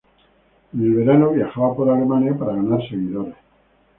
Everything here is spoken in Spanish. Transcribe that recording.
En el verano viajaba por Alemania para ganar seguidores.